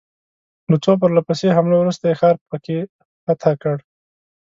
له څو پرله پسې حملو وروسته یې ښار په کې فتح کړ.